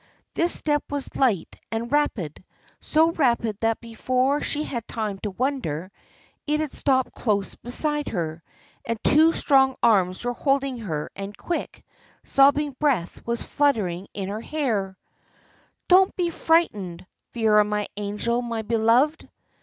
This step was light and rapid, so rapid that before she had time to wonder, it had stopped close beside her, and two strong arms were holding her, and quick, sobbing breath was fluttering her hair. "Don't be frightened! Vera, my angel, my beloved!"